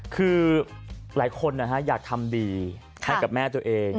คือหลายคนอยากทำดีให้กับแม่ตัวเอง